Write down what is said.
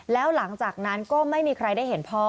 แล้วหลังจากนั้นก็ไม่มีใครได้เห็นพ่อ